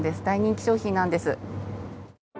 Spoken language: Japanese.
大人気商品なんです。